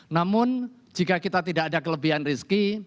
namun jika kita tidak ada kelebihan rizki